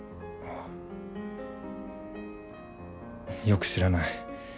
よく知らない。